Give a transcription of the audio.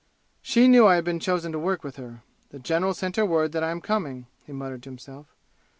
"She knew I had been chosen to work with her. The general sent her word that I am coming," he muttered to himself.